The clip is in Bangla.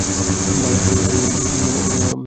ভালো আছি, ভাই।